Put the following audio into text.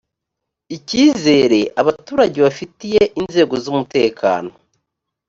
icyizere abaturage bafitiye inzego z umutekano